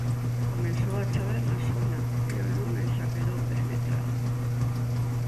Comezou a chover na zona e o lume xa quedou perimetrado.